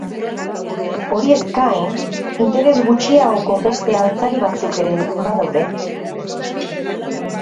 Horiez gain, interes gutxiagoko beste altzari batzuk ere badaude.